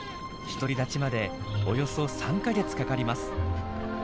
独り立ちまでおよそ３か月かかります。